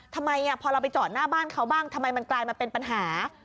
ทำไมพอเราไปจอดหน้าบ้านเขาบ้างทำไมมันกลายมาเป็นปัญหา